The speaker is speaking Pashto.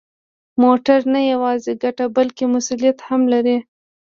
موټر نه یوازې ګټه، بلکه مسؤلیت هم لري.